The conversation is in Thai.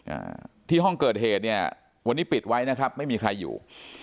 อ่าที่ห้องเกิดเหตุเนี่ยวันนี้ปิดไว้นะครับไม่มีใครอยู่